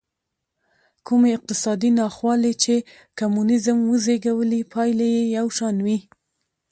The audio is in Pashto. کومې اقتصادي ناخوالې چې کمونېزم وزېږولې پایلې یې یو شان وې.